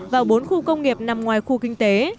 và bốn khu công nghiệp nằm ngoài khu kinh tế